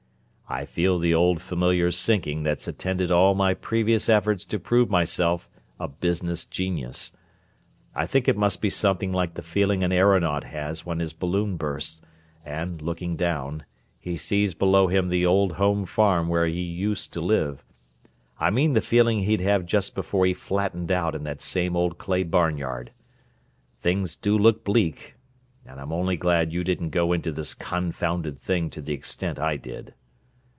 "I feel the old familiar sinking that's attended all my previous efforts to prove myself a business genius. I think it must be something like the feeling an aeronaut has when his balloon bursts, and, looking down, he sees below him the old home farm where he used to live—I mean the feeling he'd have just before he flattened out in that same old clay barnyard. Things do look bleak, and I'm only glad you didn't go into this confounded thing to the extent I did."